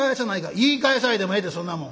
「言い返さいでもええでそんなもん」。